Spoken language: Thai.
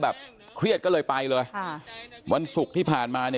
เครียดก็เลยไปเลยค่ะวันศุกร์ที่ผ่านมาเนี่ย